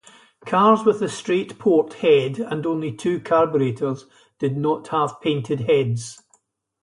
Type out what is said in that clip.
Cars with the straight-port head and only two carburettors did not have painted heads.